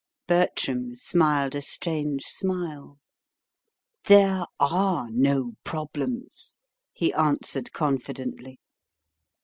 Bertram smiled a strange smile. "There are NO problems," he answered confidently.